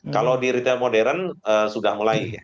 kalau di retail modern sudah mulai ya